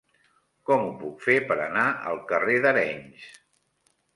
Com ho puc fer per anar al carrer d'Arenys?